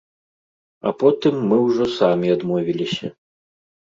А потым мы ўжо самі адмовіліся.